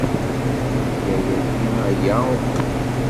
Tga yagi aya uqbel.